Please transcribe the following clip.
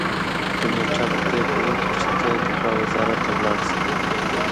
کمېټه به پریکړه وکړي چې ته دفاع وزارت ته لاړ شې